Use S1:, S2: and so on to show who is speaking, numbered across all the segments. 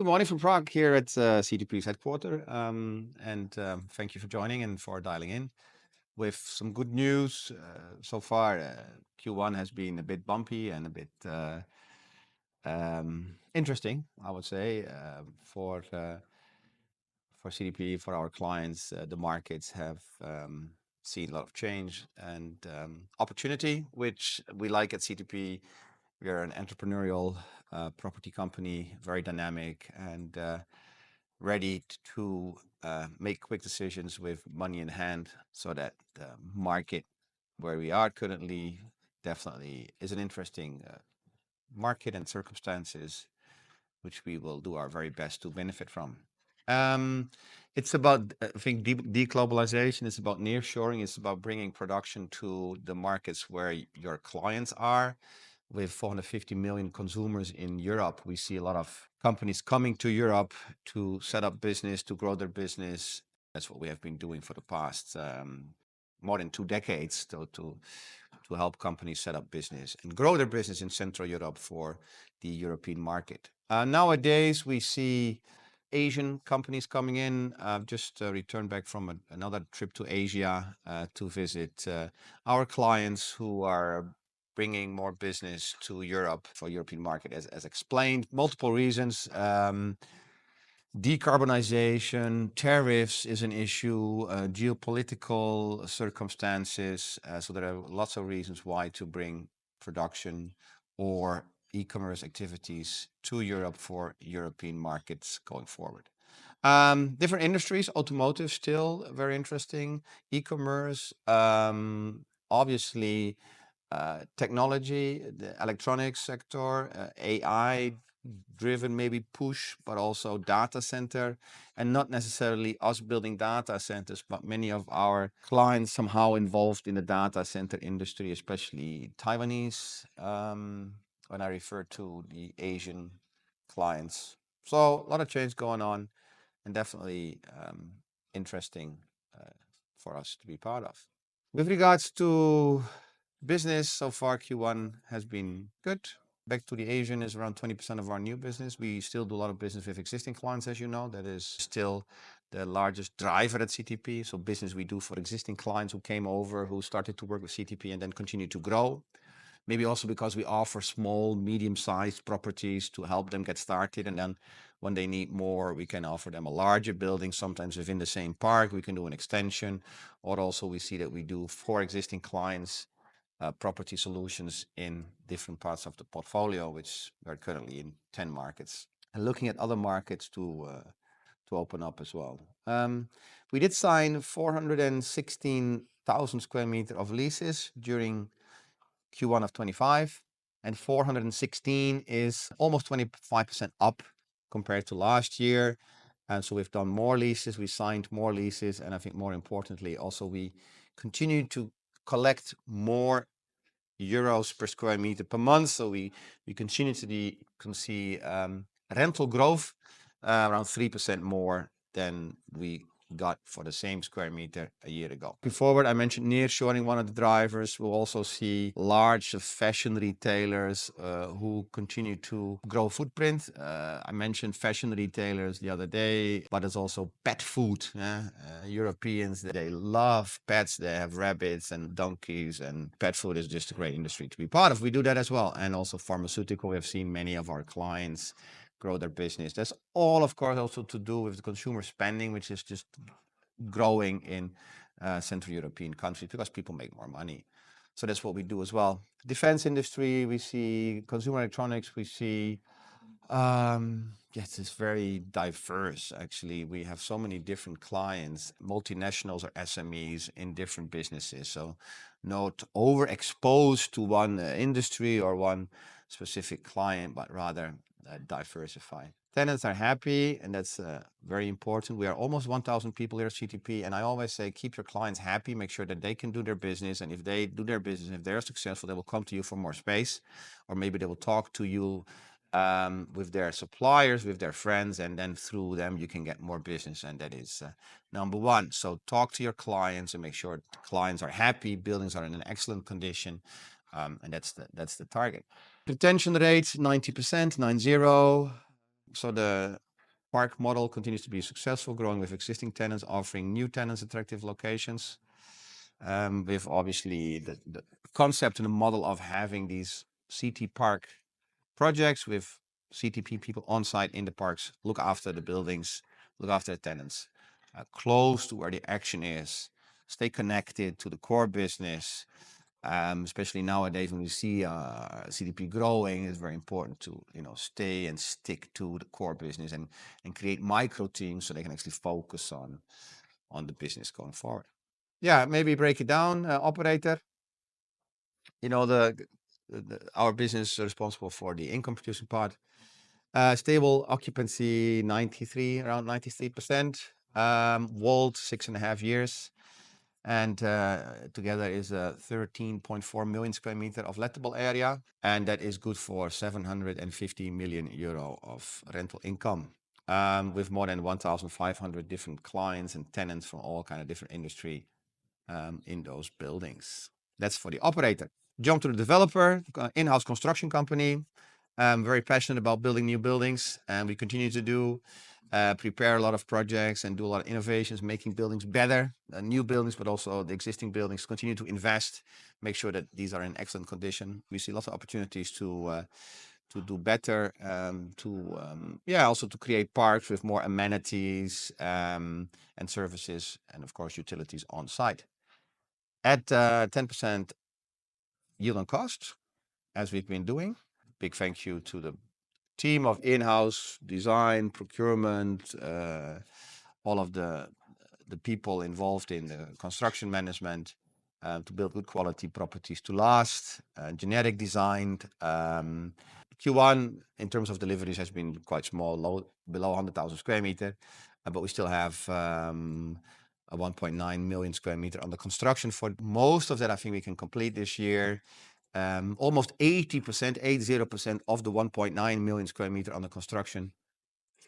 S1: Good morning from Prague here at CTP NV headquarters. Thank you for joining and for dialing in with some good news. So far, Q1 has been a bit bumpy and a bit interesting, I would say, for CTP, for our clients. The markets have seen a lot of change and opportunity, which we like at CTP. We are an entrepreneurial property company, very dynamic and ready to make quick decisions with money in hand so that the market where we are currently definitely is an interesting market and circumstances which we will do our very best to benefit from. It's about, I think, de-globalization. It's about nearshoring. It's about bringing production to the markets where your clients are. With 450 million consumers in Europe, we see a lot of companies coming to Europe to set up business, to grow their business. That's what we have been doing for the past more than two decades. So to help companies set up business and grow their business in Central Europe for the European market. Nowadays we see Asian companies coming in. I've just returned back from another trip to Asia to visit our clients who are bringing more business to Europe for the European market, as explained. Multiple reasons. Decarbonization, tariffs is an issue, geopolitical circumstances. So there are lots of reasons why to bring production or e-commerce activities to Europe for European markets going forward. Different industries, automotive still very interesting, e-commerce obviously, technology, the electronics sector, AI-driven maybe push, but also data center and not necessarily us building data centers, but many of our clients somehow involved in the data center industry, especially Taiwanese when I refer to the Asian clients. So a lot of change going on and definitely interesting for us to be part of. With regards to business, so far Q1 has been good. Back to Asia, it's around 20% of our new business. We still do a lot of business with existing clients, as you know. That is still the largest driver at CTP. So business we do for existing clients who came over, who started to work with CTP and then continue to grow. Maybe also because we offer small, medium-sized properties to help them get started. And then when they need more, we can offer them a larger building, sometimes within the same park. We can do an extension, or also we see that we do for existing clients, property solutions in different parts of the portfolio, which we are currently in 10 markets and looking at other markets to open up as well. We did sign 416,000 sq m of leases during Q1 of 2025, and 416,000 sq m is almost 25% up compared to last year, so we've done more leases. We signed more leases. I think more importantly, also we continue to collect more euros per sq m per month. We continue to see rental growth around 3% more than we got for the same sq m a year ago. Before I mentioned nearshoring, one of the drivers. We'll also see large fashion retailers who continue to grow footprint. I mentioned fashion retailers the other day, but there's also pet food. Yeah. Europeans, they love pets. They have rabbits and donkeys, and pet food is just a great industry to be part of. We do that as well, and also pharmaceutical. We have seen many of our clients grow their business. That's all, of course, also to do with the consumer spending, which is just growing in Central European countries because people make more money, so that's what we do as well. Defense industry, we see consumer electronics. We see, yes, it's very diverse, actually. We have so many different clients, multinationals or SMEs in different businesses, so not overexposed to one industry or one specific client, but rather diversify. Tenants are happy, and that's very important. We are almost 1,000 people here at CTP, and I always say, keep your clients happy. Make sure that they can do their business. If they do their business, if they're successful, they will come to you for more space, or maybe they will talk to you with their suppliers, with their friends, and then through them you can get more business. That is number one. Talk to your clients and make sure clients are happy. Buildings are in excellent condition, and that's the target. Retention rate 90%, nine zero. The park model continues to be successful, growing with existing tenants, offering new tenants attractive locations. We've obviously the concept and the model of having these CTPark projects with CTP people on site in the parks, look after the buildings, look after tenants, close to where the action is, stay connected to the core business. Especially nowadays when we see CTP growing, it's very important to, you know, stay and stick to the core business and create micro teams so they can actually focus on the business going forward. Yeah. Maybe break it down, operator. You know, our business is responsible for the income producing part. Stable occupancy 93%, around 93%. WALT six and a half years. And together is 13.4 million sq m of lettable area. And that is good for 750 million euro of rental income with more than 1,500 different clients and tenants from all kinds of different industries in those buildings. That's for the operator. Jump to the developer, in-house construction company. Very passionate about building new buildings. And we continue to do, prepare a lot of projects and do a lot of innovations, making buildings better, new buildings, but also the existing buildings. Continue to invest, make sure that these are in excellent condition. We see lots of opportunities to do better, yeah, also to create parks with more amenities, and services and of course utilities on site at 10% yield on cost, as we've been doing. Big thank you to the team of in-house design procurement, all of the people involved in the construction management, to build good quality properties to last, generic designed. Q1 in terms of deliveries has been quite small, below a hundred thousand sq m, but we still have a 1.9 million sq m under construction for most of that. I think we can complete this year. Almost 80% of the 1.9 million sq m under construction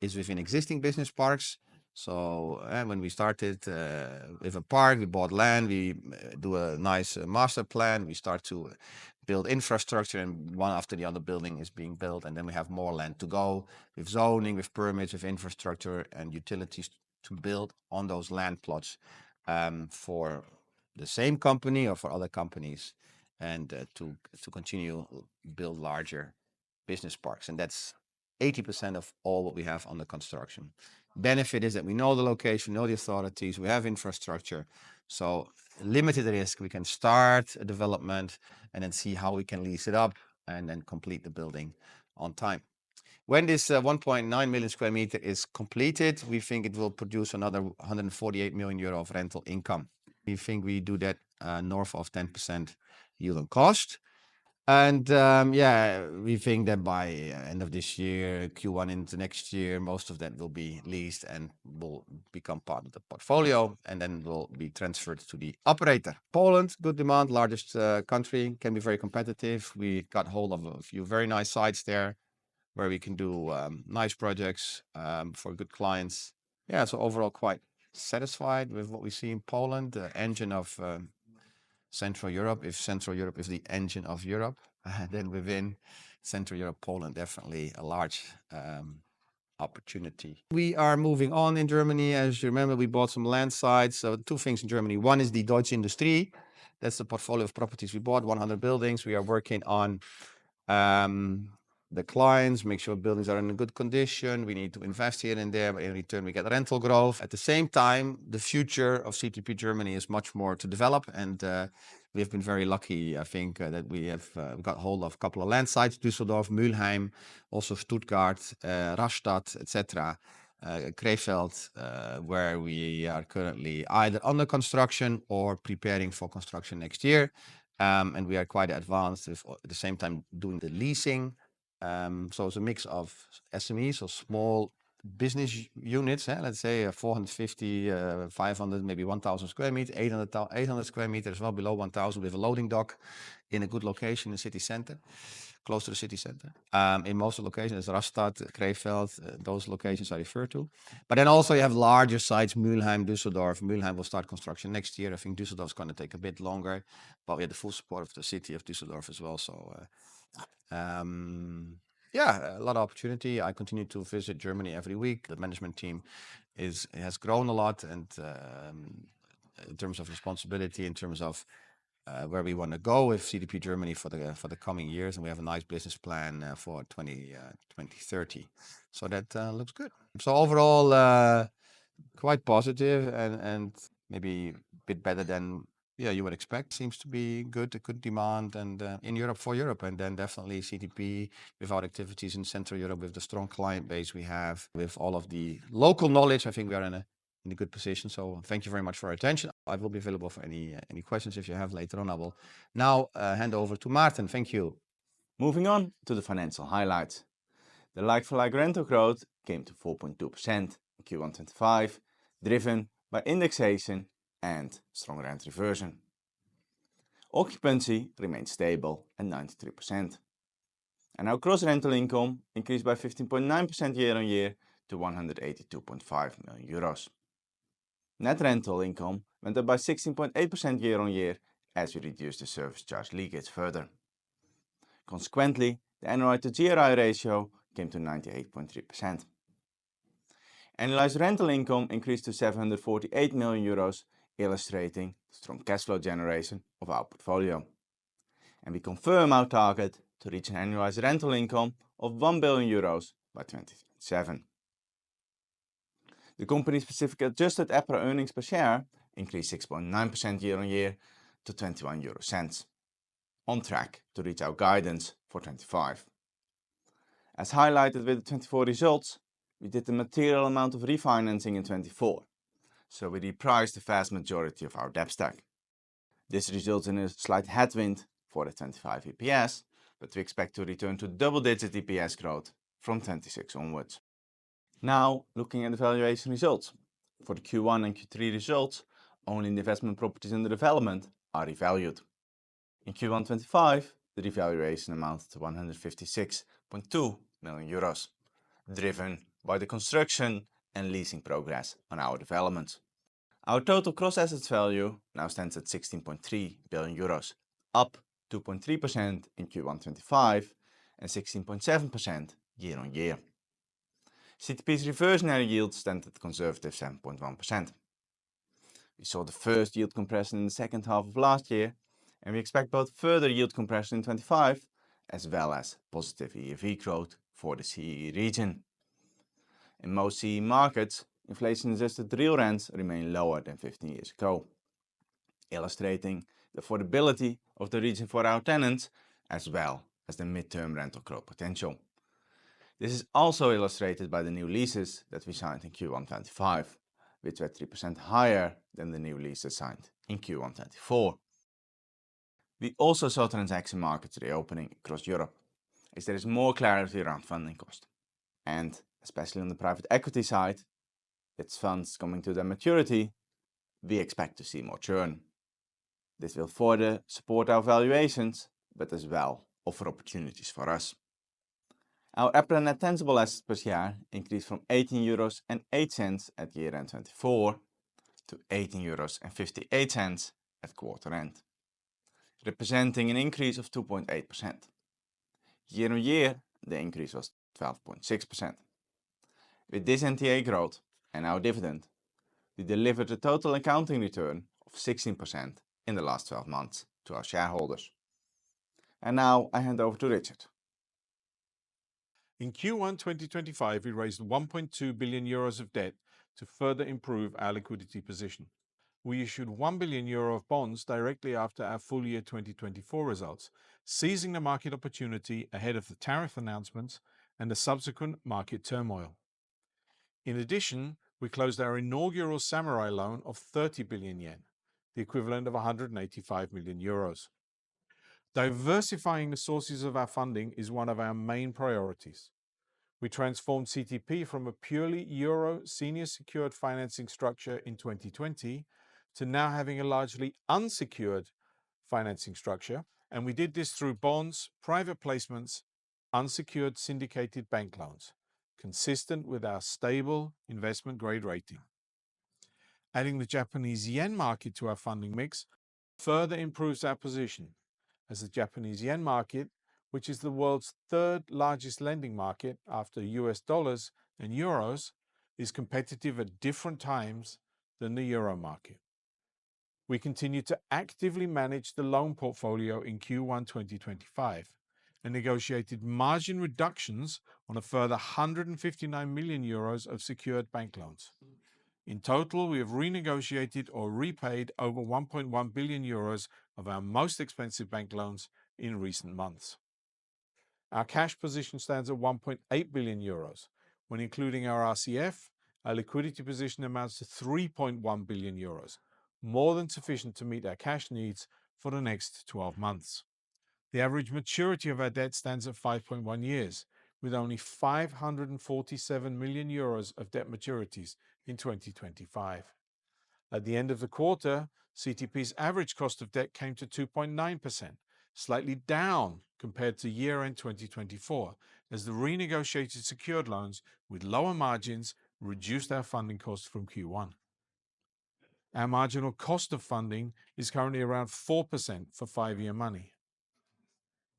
S1: is within existing business parks. When we started with a park, we bought land. We do a nice master plan, we start to build infrastructure and one after the other building is being built. Then we have more land to go with zoning, with permits, with infrastructure and utilities to build on those land plots, for the same company or for other companies and to continue to build larger business parks. That's 80% of all what we have on the construction. Benefit is that we know the location, know the authorities, we have infrastructure. Limited risk, we can start a development and then see how we can lease it up and then complete the building on time. When this 1.9 million sq m is completed, we think it will produce another 148 million euro of rental income. We think we do that north of 10% yield on cost. Yeah, we think that by end of this year, Q1 into next year, most of that will be leased and will become part of the portfolio and then will be transferred to the operator. Poland, good demand, largest country can be very competitive. We got a whole lot of a few very nice sites there where we can do nice projects for good clients. Yeah, so overall, quite satisfied with what we see in Poland, the engine of Central Europe. If Central Europe is the engine of Europe, then within Central Europe, Poland definitely a large opportunity. We are moving on in Germany. As you remember, we bought some land sites, so two things in Germany. One is the Deutsche Industrie. That's the portfolio of properties we bought, 100 buildings. We are working on the clients, make sure buildings are in good condition. We need to invest here and there, but in return we get rental growth. At the same time, the future of CTP Germany is much more to develop, and we have been very lucky, I think, that we have got a hold of a couple of land sites: Düsseldorf, Mülheim, also Stuttgart, Rastatt, et cetera, Krefeld, where we are currently either under construction or preparing for construction next year, and we are quite advanced at the same time doing the leasing, so it's a mix of SMEs or small business units, huh, let's say 450 sq m, 500 sq m, maybe 1,000 sq m, 800, 800 square meters as well below 1,000 sq m with a loading dock in a good location in the city center, close to the city center, in most locations as Rastatt, Krefeld, those locations are referred to, but then also you have larger sites, Mülheim, Düsseldorf. Mülheim will start construction next year. I think Düsseldorf is going to take a bit longer, but we have the full support of the city of Düsseldorf as well. So, yeah, a lot of opportunity. I continue to visit Germany every week. The management team has grown a lot and, in terms of responsibility, where we want to go with CTP Germany for the coming years. And we have a nice business plan for 2020-2030. So that looks good. So overall, quite positive and maybe a bit better than, yeah, you would expect. Seems to be good demand in Europe for Europe. And then definitely CTP with our activities in Central Europe with the strong client base we have with all of the local knowledge. I think we are in a good position. Thank you very much for your attention. I will be available for any questions if you have later on. I will now hand over to Maarten. Thank you. Moving on to the financial highlights. The Like-for-Like rental growth came to 4.2% in Q1 2025, driven by indexation and strong rental reversion. Occupancy remained stable at 93%. Our gross rental income increased by 15.9% YoY to 182.5 million euros. Net rental income went up by 16.8% YoY as we reduced the service charge leakage further. Consequently, the annualized NRI to GRI ratio came to 98.3%. Annualized rental income increased to 748 million euros, illustrating the strong cash flow generation of our portfolio. We confirm our target to reach an annualized rental income of 1 billion euros by 2027. The company specific adjusted EPRA earnings per share increased 6.9% YoY to 0.21 on track to reach our guidance for 2025. As highlighted with the 2024 results, we did a material amount of refinancing in 2024, so we repriced the vast majority of our debt stack. This results in a slight headwind for the 2025 EPS, but we expect to return to double digit EPS growth from 2026 onwards. Now looking at the valuation results for the Q1 and Q3 results, only investment properties and developments are revalued. In Q1 2025, the revaluation amounts to 156.2 million euros, driven by the construction and leasing progress on our development. Our total gross assets value now stands at 16.3 billion euros, up 2.3% in Q1 2025 and 16.7% YoY. CTP's reversionary yield stands at a conservative 7.1%. We saw the first yield compression in the second half of last year, and we expect both further yield compression in 2025 as well as positive ERV growth for the CEE region. In most CEE markets, inflation-resistant real rents remain lower than 15 years ago, illustrating the affordability of the region for our tenants as well as the midterm rental growth potential. This is also illustrated by the new leases that we signed in Q1 2025, which were 3% higher than the new leases signed in Q1 2024. We also saw transaction markets reopening across Europe as there is more clarity around funding cost. Especially on the private equity side, its funds coming to their maturity, we expect to see more churn. This will further support our valuations, but as well offer opportunities for us. Our EPRA Net Tangible Assets per share increased from 18.08 euros at year-end 2024 to 18.58 euros at quarter-end, representing an increase of 2.8%. YoY, the increase was 12.6%. With this NTA growth and our dividend, we delivered a total accounting return of 16% in the last 12 months to our shareholders. Now I hand over to Richard.
S2: In Q1 2025, we raised 1.2 billion euros of debt to further improve our liquidity position. We issued 1 billion euro of bonds directly after our full year 2024 results, seizing the market opportunity ahead of the tariff announcements and the subsequent market turmoil. In addition, we closed our inaugural Samurai loan of 30 billion yen, the equivalent of 185 million euros. Diversifying the sources of our funding is one of our main priorities. We transformed CTP from a purely EUR senior secured financing structure in 2020 to now having a largely unsecured financing structure, and we did this through bonds, private placements, unsecured syndicated bank loans consistent with our stable investment grade rating. Adding the Japanese yen market to our funding mix further improves our position as the Japanese yen market, which is the world's third largest lending market after US dollars and euros, is competitive at different times than the euro market. We continue to actively manage the loan portfolio in Q1 2025 and negotiated margin reductions on a further 159 million euros of secured bank loans. In total, we have renegotiated or repaid over 1.1 billion euros of our most expensive bank loans in recent months. Our cash position stands at 1.8 billion euros. When including our RCF, our liquidity position amounts to 3.1 billion euros, more than sufficient to meet our cash needs for the next 12 months. The average maturity of our debt stands at 5.1 years, with only 547 million euros of debt maturities in 2025. At the end of the quarter, CTP's average cost of debt came to 2.9%, slightly down compared to year end 2024, as the renegotiated secured loans with lower margins reduced our funding cost from Q1. Our marginal cost of funding is currently around 4% for five year money.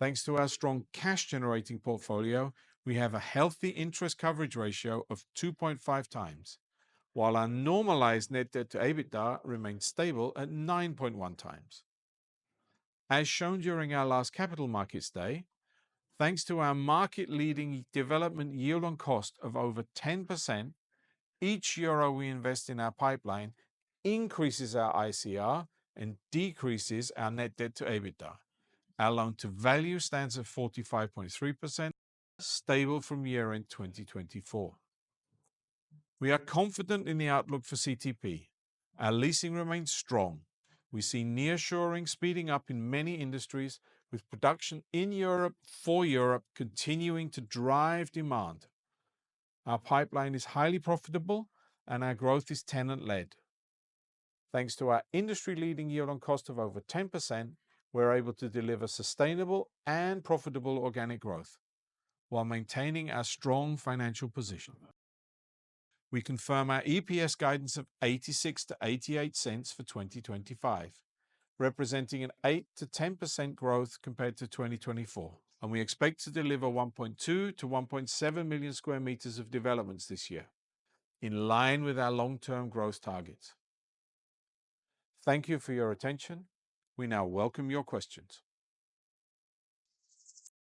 S2: Thanks to our strong cash generating portfolio, we have a healthy interest coverage ratio of 2.5 times, while our normalized net debt to EBITDA remains stable at 9.1 times. As shown during our last capital markets day, thanks to our market-leading development yield on cost of over 10%, each euro we invest in our pipeline increases our ICR and decreases our net debt to EBITDA. Our loan-to-value stands at 45.3%, stable from year-end 2024. We are confident in the outlook for CTP. Our leasing remains strong. We see nearshoring speeding up in many industries, with production in Europe for Europe continuing to drive demand. Our pipeline is highly profitable and our growth is tenant-led. Thanks to our industry-leading yield on cost of over 10%, we're able to deliver sustainable and profitable organic growth while maintaining our strong financial position. We confirm our EPS guidance of 0.86-0.88 for 2025, representing an 8%-10% growth compared to 2024. We expect to deliver 1.2 million-1.7 million sq m of developments this year, in line with our long-term growth targets. Thank you for your attention. We now welcome your questions.